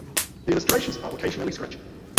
The illustrations are occasionally scratchy.